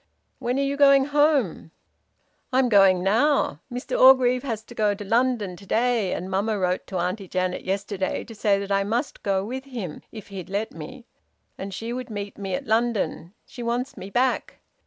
"When are you going home?" "I'm going now! Mr Orgreave has to go to London to day, and mamma wrote to Auntie Janet yesterday to say that I must go with him, if he'd let me, and she would meet me at London. She wants me back.